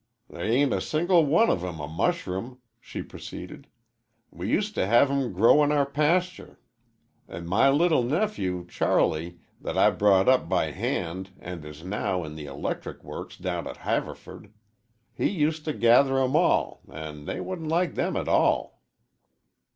"The' ain't a single one of 'em a mushroom," she proceeded. "We used to have 'em grow in our paster, an' my little nephew, Charlie, that I brought up by hand and is now in the electric works down to Haverford, he used to gather 'em, an' they wa'n't like them at all."